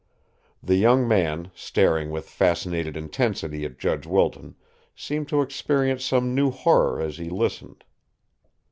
The young man, staring with fascinated intensity at Judge Wilton, seemed to experience some new horror as he listened.